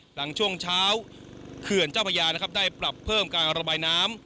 หลังช่วงเช้าเขื่อนเจ้าพระยานะครับได้ปรับเพิ่มการระบายน้ำ